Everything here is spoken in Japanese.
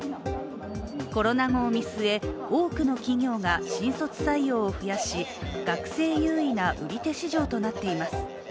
コロナ後を見据え、多くの企業が新卒採用を増やし学生優位な売手市場となっています。